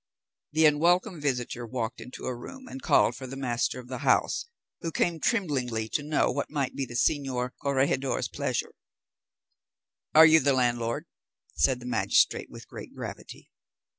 The unwelcome visitor walked into a room, and called for the master of the house, who came tremblingly to know what might be the señor corregidor's pleasure. "Are you the landlord?" said the magistrate with great gravity.